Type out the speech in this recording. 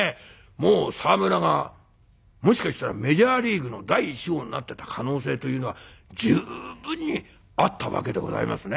もう沢村がもしかしたらメジャーリーグの第１号になってた可能性というのは十分にあったわけでございますね。